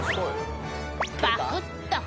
「パクっと」